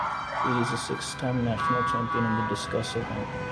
He is a six-time national champion in the discus event.